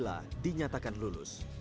dila dinyatakan lulus